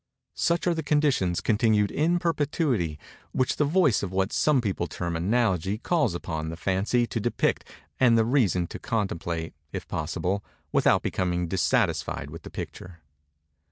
Such are the conditions, continued in perpetuity, which the voice of what some people term "analogy" calls upon the Fancy to depict and the Reason to contemplate, if possible, without becoming dissatisfied with the picture.